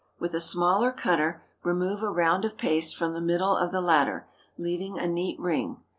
With a smaller cutter, remove a round of paste from the middle of the latter, leaving a neat ring.